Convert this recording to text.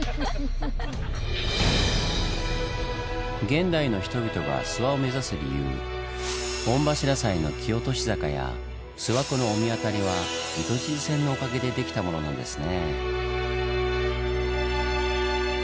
現代の人々が諏訪を目指す理由御柱祭の木落し坂や諏訪湖の御神渡りは糸静線のおかげでできたものなんですねぇ。